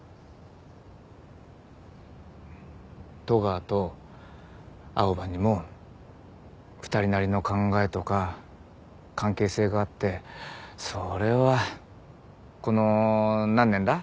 戸川と青羽にも２人なりの考えとか関係性があってそれはこの何年だ？